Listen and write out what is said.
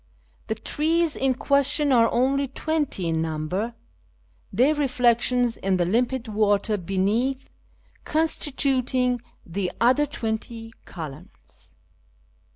The trees in question are only twenty in number, their reflec tions in the limpid water beneath constituting the other twenty •' columns."